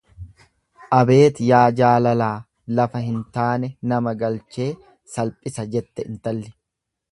Abeet yaa jaalalaa lafa hin taane nama galchee salphisa jette intalli.